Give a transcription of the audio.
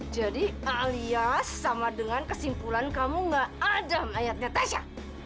jadi alias sama dengan kesimpulan kamu nggak ada mayatnya tasya